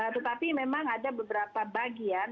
tetapi memang ada beberapa bagian